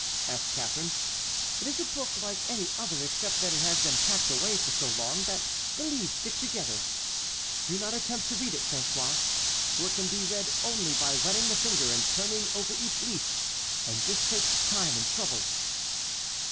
asked Catharine; "it is a book like any other except that it has been packed away for so long that the leaves stick together. Do not attempt to read it, François, for it can be read only by wetting the finger and turning over each leaf, and this takes time and trouble."